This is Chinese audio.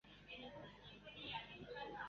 隼形目的鸟多在高树或悬崖上营巢。